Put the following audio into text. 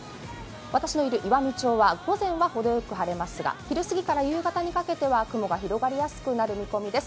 私のいる岩美町は午前はほどよく晴れますが昼すぎから夕方にかけては雲が広がりやすくなる見込みです。